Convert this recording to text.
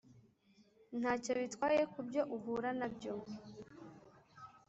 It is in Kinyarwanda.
ntacyo bitwaye kubyo uhura nabyo